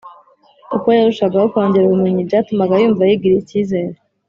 uko yarushagaho kongera ubumenyi, byatumaga yumva yigiriye ikizere,